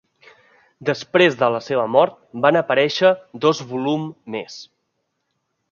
Després de la seva mort van aparèixer dos volum més.